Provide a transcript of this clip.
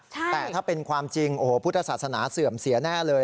แต่ถ้าเป็นความจริงโอ้โหพุทธศาสนาเสื่อมเสียแน่เลย